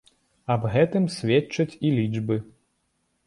Аб гэтым сведчаць і лічбы.